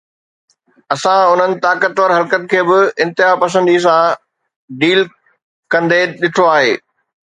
اسان انهن طاقتور حلقن کي به انتهاپسنديءَ سان ڊيل ڪندي ڏٺو آهي.